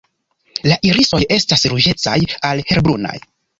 La irisoj estas ruĝecaj al helbrunaj.